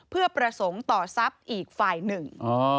เพื่อประสงค์ต่อทรัพย์อีกฝ่ายหนึ่ง